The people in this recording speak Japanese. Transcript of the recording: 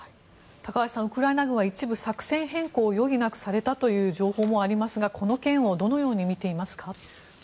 高橋さん、ウクライナ軍は一部作戦変更を余儀なくされたという情報もありますがこの件をどのように見ていますか。